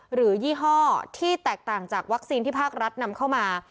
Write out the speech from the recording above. ยี่ห้อที่แตกต่างจากวัคซีนที่ภาครัฐนำเข้ามา